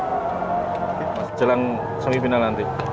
oke mas jalan semifinal nanti